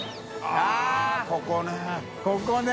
あぁここね。